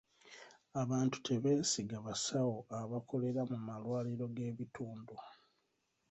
Abantu tebeesiga basawo abakolera mu malwaliro g'ebitundu.